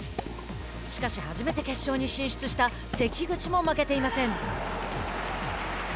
しかし、初めて決勝に進出した関口も負けていません。